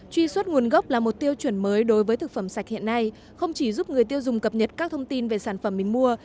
truy xuất nguồn gốc là một tiêu chuẩn mới đối với thực phẩm sạch hiện nay không chỉ giúp người tiêu dùng cập nhật các thông tin về sản phẩm mình mua